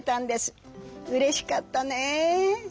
うれしかったね！